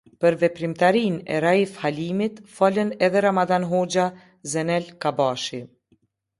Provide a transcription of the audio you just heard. Për veprimtarinë e Raif Halimit folën edhe Ramadan Hoxha, Zenel Kabashi.